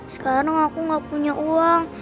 sekarang aku nggak punya uang